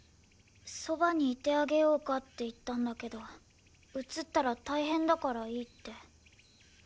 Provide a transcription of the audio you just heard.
そばにいてあげようかって言ったんだけどうつったら大変だからいいって。